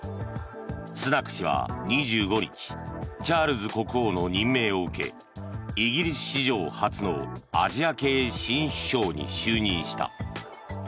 スナク氏は２５日チャールズ国王の任命を受けイギリス史上初のアジア系新首相に就任した。